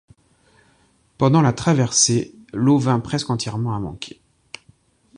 Pendant la traversée, l’eau vint presque entièrement à manquer.